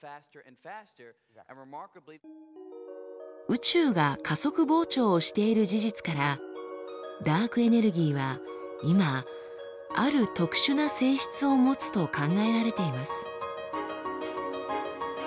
宇宙が加速膨張をしている事実からダークエネルギーは今ある特殊な性質を持つと考えられています。